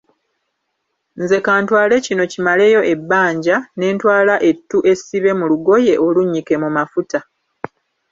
Nze ka ntwale kino kimaleyo ebbanja, ne ntwala ettu essibe mu lugoye olunnyike mu mafuta.